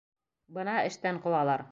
Бына эштән ҡыуалар.